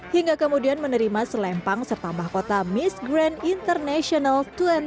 hingga kemudian menerima selempang serta pahkota miss grand international dua ribu delapan belas